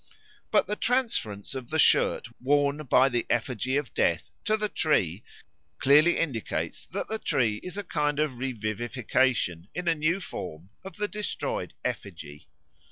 But the transference of the shirt worn by the effigy of Death to the tree clearly indicates that the tree is a kind of revivification, in a new form, of the destroyed effigy.